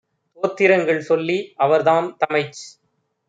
தோத்திரங்கள் சொல்லி அவர்தாம் - தமைச்